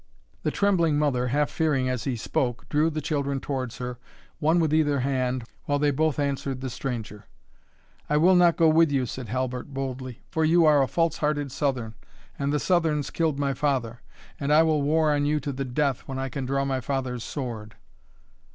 The trembling mother, half fearing as he spoke, drew the children towards her, one with either hand, while they both answered the stranger. "I will not go with you," said Halbert, boldly, "for you are a false hearted Southern; and the Southerns killed my father; and I will war on you to the death, when I can draw my father's sword."